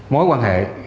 mối quan hệ